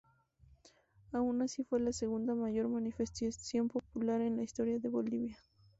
Aun así fue la segunda mayor manifestación popular en la historia de Bolivia.